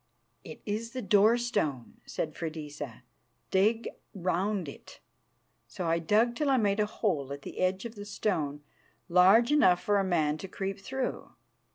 "It is the door stone," said Freydisa. "Dig round it." So I dug till I made a hole at the edge of the stone large enough for a man to creep through.